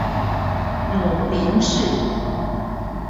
母林氏。